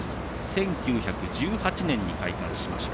１９１８年に開館しました。